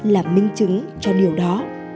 làm minh chứng cho điều đó